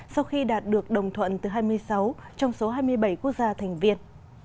sau khi đạt được đồng thuận từ hai mươi sáu trong số hai mươi bảy quốc gia thành viên